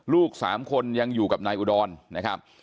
ลูก๓คนยังอยู่กับนายอุดรนะครับ